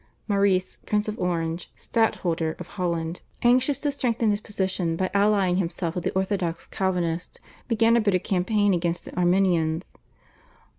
Maurice, Prince of Orange, Stadtholder of Holland, anxious to strengthen his position by allying himself with the orthodox Calvinists, began a bitter campaign against the Arminians.